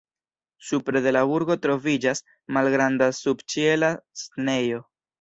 Supre de la burgo troviĝas malgranda subĉiela scenejo.